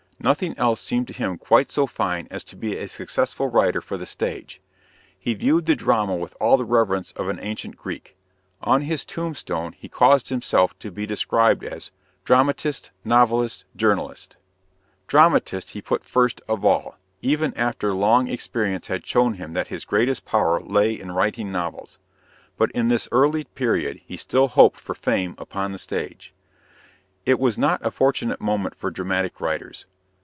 Nothing else seemed to him quite so fine as to be a successful writer for the stage. He viewed the drama with all the reverence of an ancient Greek. On his tombstone he caused himself to be described as "Dramatist, novelist, journalist." "Dramatist" he put first of all, even after long experience had shown him that his greatest power lay in writing novels. But in this early period he still hoped for fame upon the stage. It was not a fortunate moment for dramatic writers.